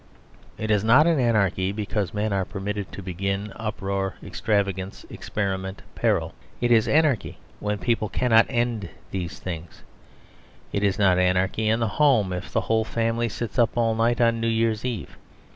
It is not anarchy because men are permitted to begin uproar, extravagance, experiment, peril. It is anarchy when people cannot end these things. It is not anarchy in the home if the whole family sits up all night on New Year's Eve.